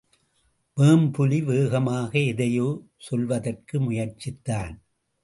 வேம்புலி வேகமாக எதையோ சொல்வதற்கு முயற்சித்தான்.